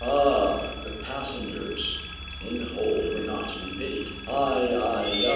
Ah ! the passengers in the hold were not to be pitied ! "Ai, ai, ya!